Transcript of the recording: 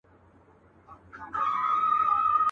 زوره وره هيبتناكه تكه توره.